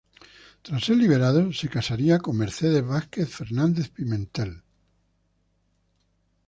Tras ser liberado, se casaría con Mercedes Vázquez Fernández-Pimentel.